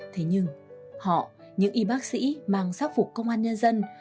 thế nhưng họ những y bác sĩ mang sắc phục công an nhân dân